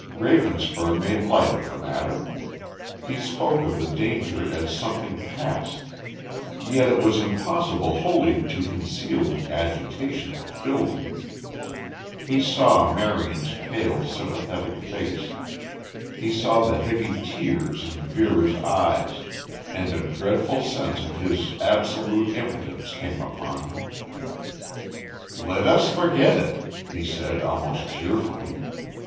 Ravenspur made light of the matter. He spoke of the danger as something past. Yet it was impossible wholly to conceal the agitation that filled him. He saw Marion's pale, sympathetic face; he saw the heavy tears in Vera's eyes, and a dreadful sense of his absolute impotence came upon him. "Let us forget it," he said almost cheerfully.